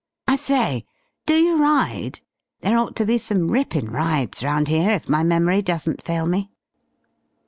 I say, do you ride? There ought to be some rippin' rides round here, if my memory doesn't fail me."